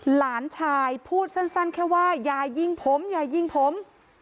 หลานชายพูดสั้นแค่ว่าอย่ายิงผมอย่ายิงผม